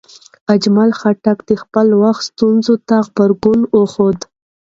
اجمل خټک د خپل وخت ستونزو ته غبرګون وښود.